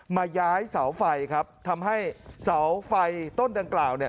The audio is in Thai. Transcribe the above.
มาย้ายเสาไฟครับทำให้เสาไฟต้นดังกล่าวเนี่ย